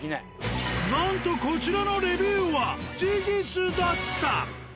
なんとこちらのレビューは事実だった！